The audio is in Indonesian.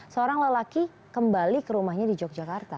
seorang lelaki kembali ke rumahnya di yogyakarta